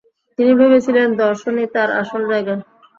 তিনি ভেবেছিলেন, দর্শনই তার আসল জায়গা।